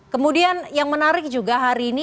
kemudian yang menarik juga hari ini